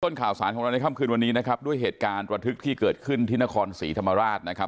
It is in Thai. ข่าวสารของเราในค่ำคืนวันนี้นะครับด้วยเหตุการณ์ระทึกที่เกิดขึ้นที่นครศรีธรรมราชนะครับ